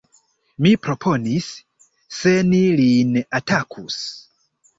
mi proponis: se ni lin atakus!